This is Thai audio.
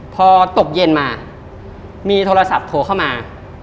พอตกเย็นมามีโทรศัพท์โทรเข้ามา